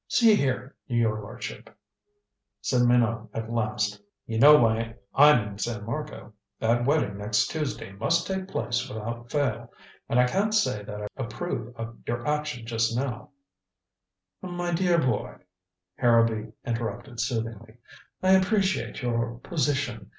"See here, your lordship," said Minot at last. "You know why I'm in San Marco. That wedding next Tuesday must take place without fail. And I can't say that I approve of your action just now " "My dear boy," Harrowby interrupted soothingly, "I appreciate your position.